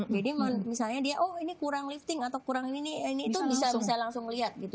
jadi misalnya dia oh ini kurang lifting atau kurang ini ini itu bisa langsung ngelihat gitu